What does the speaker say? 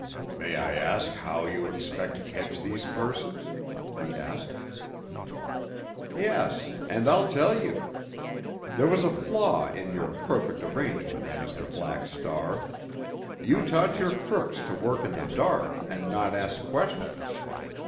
"May I ask how you expect to catch these persons?" he asked. "Yes—and I'll tell you. There was a flaw in your perfect arrangement, Mr. Black Star. You taught your crooks to work in the dark, and not ask questions.